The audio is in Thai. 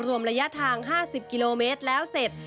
รวมระยะทาง๕๐กิโลเมตรแล้วเสร็จ